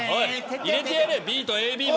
入れてやれ、ＢとＡＢも。